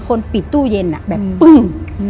คนปิดตู้เย็นแบบปึ้ง